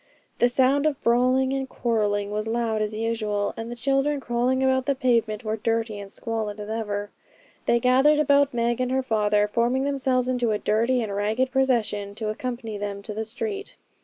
The sound of brawling and quarrelling was loud as usual, and the children crawling about the pavement were dirty and squalid as ever; they gathered about Meg and her father, forming themselves into a dirty and ragged procession to accompany them down to the street.